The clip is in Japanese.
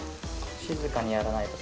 静かにやらないと。